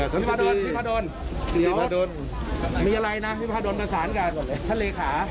กรมสี่นักบริเวณน้ำพี่พาดนประสานกับท่านเลยขา